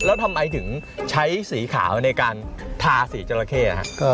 แล้วทำไมถึงใช้สีขาวในการทาสีจราเข้